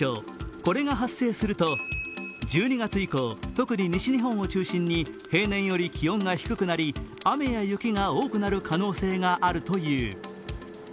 これが発生すると、１２月以降、特に西日本を中心に平年より気温が低くなり、雨や雪が多くなる可能性があるという。